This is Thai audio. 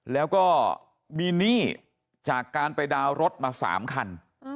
แล้วก็มีหนี้จากการไปดาวน์รถมา๓คัน